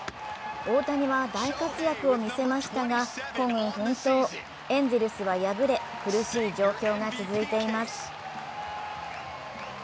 大谷は大活躍を見せましたが孤軍奮闘、エンゼルスは敗れ、苦しい状況が続いています。